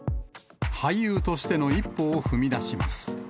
俳優としての一歩を踏み出します。